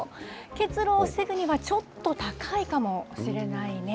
結露を防ぐにはちょっと高いかもしれないね。